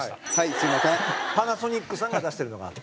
土田：パナソニックさんが出してるのがあって。